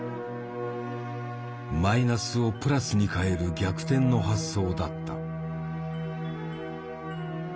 マイナスをプラスに変える逆転の発想だった。